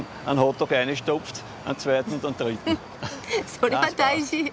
それは大事。